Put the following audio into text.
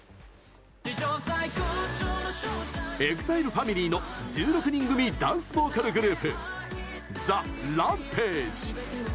ＥＸＩＬＥファミリーの１６人組ダンスボーカルグループＴＨＥＲＡＭＰＡＧＥ。